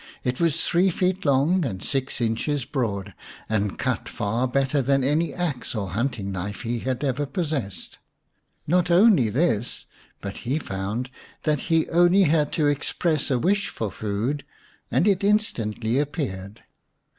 It was three feet long and six inches broad, and cut far better than any axe or hunting knife he had ever possessed. Not only this, but he found that he only had to express a wish for food and it instantly appeared.